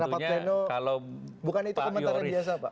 ya tentunya kalau pak yoris